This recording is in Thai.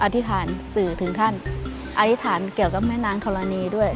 อธิษฐานสื่อถึงขั้นอธิษฐานเกี่ยวกับแม่นางธรณีด้วย